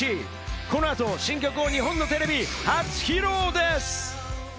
このあと新曲を日本のテレビ初披露です。